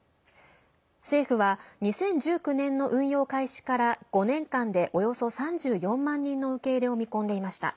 政府は２０１９年の運用開始から５年間でおよそ３４万人の受け入れを見込んでいました。